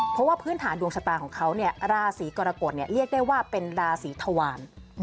เพราะว่าพื้นฐานดวงชะตาของเขาเนี่ยราศีกรกฎเรียกได้ว่าเป็นราศีธวาร